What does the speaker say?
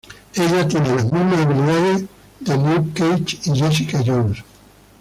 Ella tiene las mismas habilidades de Luke Cage y Jessica Jones.